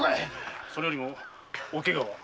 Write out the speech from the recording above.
それよりもおケガは？